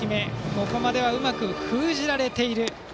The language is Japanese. ここまではうまく封じられています。